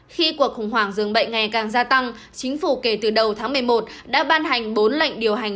khi cuộc khủng hoảng dường bệnh ngày càng gia tăng chính phủ kể từ đầu tháng một mươi một đã ban hành bốn lệnh điều hành